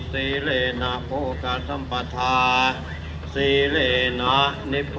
อธินาธาเวระมะนิสิขาปะทังสมาธิยามี